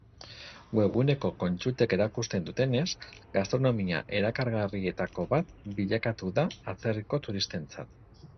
Webguneko kontsultek erakusten dutenez, gastronomia erakargarrietako bat bilakatu da atzerriko turistentzat.